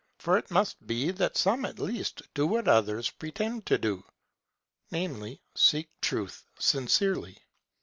For it must be that some at least do what others pretend to do, viz. : seek truth sincerely.